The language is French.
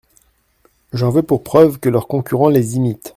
J’en veux pour preuve que leurs concurrents les imitent.